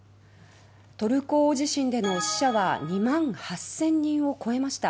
トルコ大地震での死者は２万８０００人を超えました。